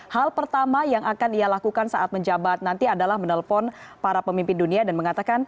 hal pertama yang akan ia lakukan saat menjabat nanti adalah menelpon para pemimpin dunia dan mengatakan